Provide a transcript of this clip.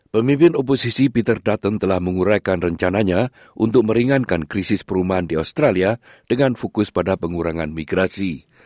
pemimpin oposisi peter dutton telah menguraikan rencananya untuk meringankan krisis perumahan di australia dengan fokus pada pengurangan migrasi